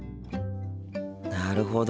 なるほど。